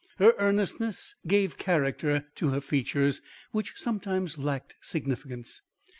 Her earnestness gave character to her features which sometimes lacked significance.